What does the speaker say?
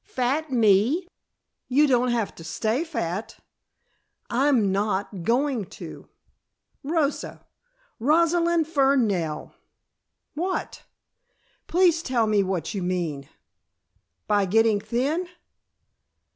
"Fat me!" "You don't have to stay fat!" "I'm not going to!" "Rosa Rosalind Fernell!" "What?" "Please tell me what you mean." "By getting thin?"